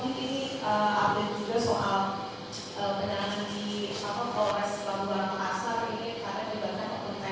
ini karena beberapa pertanyaan